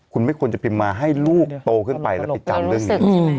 คุณไม่ควรจะพิมพ์มาให้ลูกโตขึ้นไปแล้วไปจำเรื่องนี้